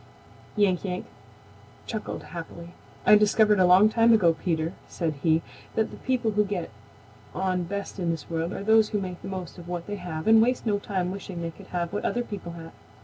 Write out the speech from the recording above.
Yank Yank chuckled happily. "I discovered a long time ago, Peter," said he, "that the people who get on best in this world are those who make the most of what they have and waste no time wishing they could have what other people have.